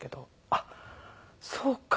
あっそうか。